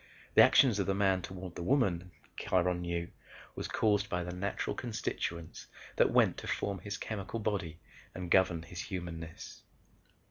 The actions of the Man toward the Woman, Kiron knew, was caused by the natural constituents that went to form his chemical body and govern his humanness.